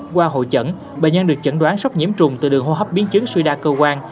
qua hội chẩn bệnh nhân được chẩn đoán sốc nhiễm trùng từ đường hô hấp biến chứng suy đa cơ quan